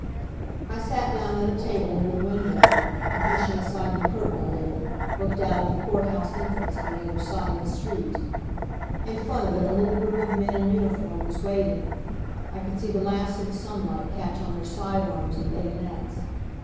I sat down at a table near the window, and pushing aside the curtain a little, looked out at the court house entrance on the other side of the street. In front of it a little group of men in uniform was waiting. I could see the last of the sunlight catch on their side arms and bayonets.